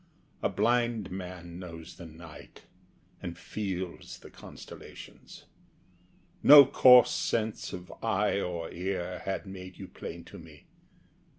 A blind man knows the night, And feels the constellations. No coarse sense Of eye or ear had made you plain to me.